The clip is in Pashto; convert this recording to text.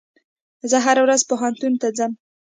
زه هره ورځ پوهنتون ته ځم.